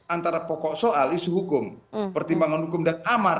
antara pokok soal isu hukum pertimbangan hukum dan amar